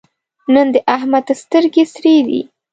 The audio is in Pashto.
نن د احمد سترګې سرې دي.